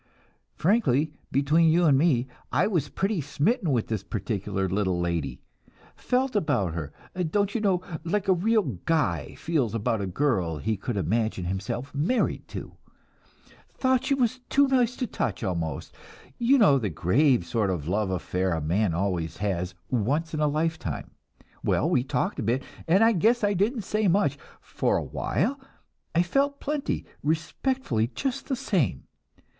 "Frankly, between you and me, I was pretty smitten with this particular little lady. Felt about her, don't you know, like a real guy feels about the girl he could imagine himself married to. Thought she was too nice to touch, almost; you know the grave sort of love affair a man always has once in a lifetime. Well, we walked a bit, and I guess I didn't say much, for a while. I felt plenty respectfully just the same.